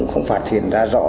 không phát triển ra rõ